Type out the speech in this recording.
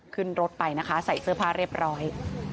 ขึ้นรถไปนะคะใส่เสื้อผ้าเรียบร้อย